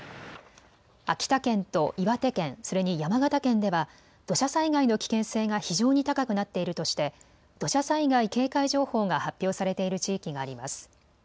秋田県と岩手県、それに山形県では土砂災害の危険性が非常に高くなっているとして土砂災害警戒情報が発表されている地域があります。